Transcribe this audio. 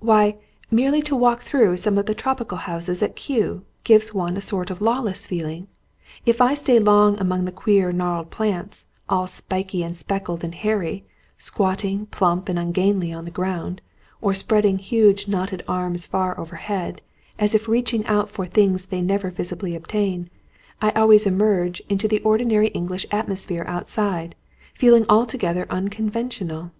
Why, merely to walk through some of the tropical houses at Kew gives one a sort of lawless feeling! If I stay long among the queer gnarled plants all spiky and speckled and hairy; squatting, plump and ungainly on the ground, or spreading huge knotted arms far overhead, as if reaching out for things they never visibly attain I always emerge into the ordinary English atmosphere outside, feeling altogether unconventional.